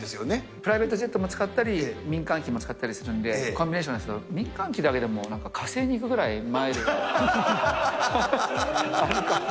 プライベートジェットも使ったり、民間機も使ったりするので、コンビネーションで、民間機だけでも、火星に行けるくらいマイルがあるかな。